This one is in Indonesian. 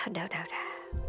udah udah udah